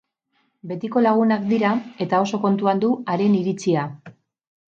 Betiko lagunak dira, eta oso kontuan du haren iritzia.